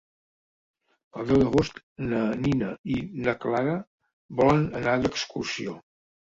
El deu d'agost na Nina i na Clara volen anar d'excursió.